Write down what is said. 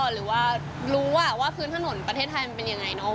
หรือว่ารู้ว่าพื้นถนนประเทศไทยมันเป็นยังไงเนาะ